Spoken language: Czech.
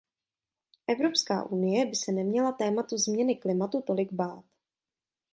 Evropská unie by se neměla tématu změny klimatu tolik bát.